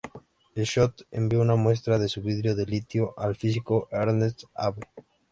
Schott envió una muestra de su vidrio de litio al físico Ernst Abbe.